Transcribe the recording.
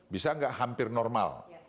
bisa tidak hampir normal